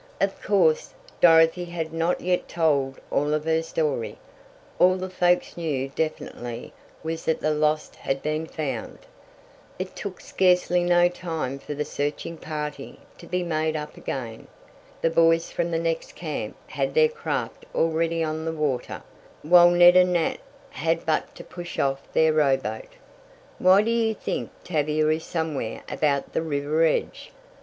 Of course, Dorothy had not yet told all of her story all the folks knew definitely was that the lost had been found. It took scarcely no time for the searching party to be made up again. The boys from the next camp had their craft already on the water, while Ned and Nat had but to push off their rowboat. "Why do you think Tavia is somewhere about the river edge?"